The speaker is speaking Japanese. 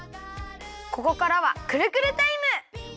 ここからはクルクルタイム！